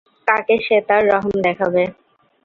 কাকে সে তার রহম দেখাবে?